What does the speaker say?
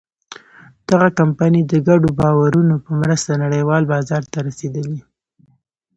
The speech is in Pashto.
دغه کمپنۍ د ګډو باورونو په مرسته نړۍوال بازار ته رسېدلې.